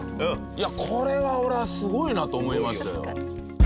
いやこれは俺はすごいなと思いましたよ。